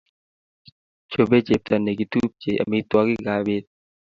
Chobe chepto nekitupche amitwogik ab pet